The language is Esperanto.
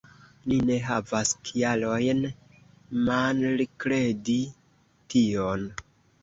Ni ne havas kialojn malkredi tion.